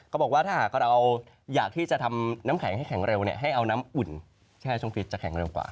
เขาบอกว่าถ้าหากเราอยากที่จะทำน้ำแข็งให้แข็งเร็วให้เอาน้ำอุ่นแช่ช่วงฟิตจะแข็งเร็วกว่า